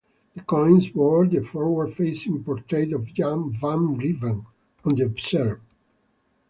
The coins bore the forward-facing portrait of Jan van Riebeeck on the obverse.